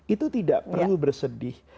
itu tidak perlu bersedih